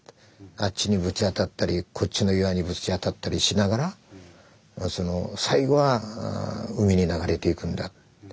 あっちにぶち当たったりこっちの岩にぶち当たったりしながら最後は海に流れていくんだ。